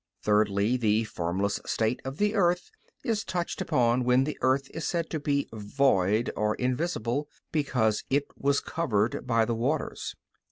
Thirdly, the formless state of the earth is touched upon when the earth is said to be "void" or "invisible," because it was covered by the waters.